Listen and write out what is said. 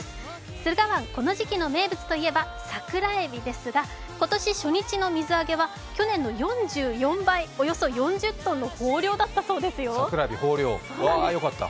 駿河湾、この時期の名物といえば桜えびですが、今年初日の水揚げは去年の４４倍、およそ４０ｔの豊漁だったそうですよ。